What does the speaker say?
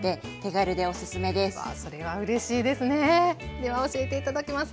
では教えて頂きます。